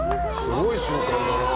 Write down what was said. ・すごい瞬間だな。